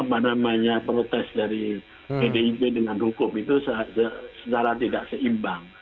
apa namanya protes dari pdip dengan hukum itu secara tidak seimbang